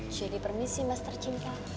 jadi permisi mas tercinta